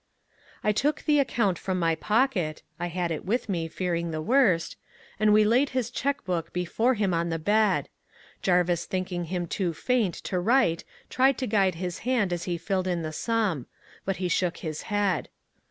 "I took the account from my pocket (I had it with me, fearing the worst), and we laid his cheque book before him on the bed. Jarvis thinking him too faint to write tried to guide his hand as he filled in the sum. But he shook his head.